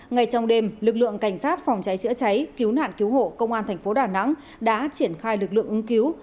ngay trong đêm lực lượng cảnh sát phòng cháy chữa cháy cứu nạn cứu hộ công an thành phố đà nẵng đã triển khai lực lượng ứng cứu